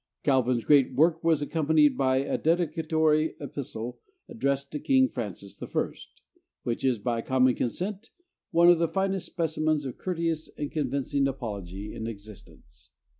Calvin's great work was accompanied by a dedicatory epistle addressed to King Francis I., which is by common consent one of the finest specimens of courteous and convincing apology in existence.